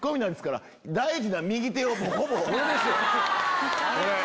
これですよ。